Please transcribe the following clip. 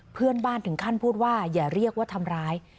เพื่อนบ้านถึงขั้นพูดว่าอย่าเรียกว่าทำร้าย